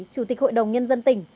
chủ tịch hội đồng nhân dân tỉnh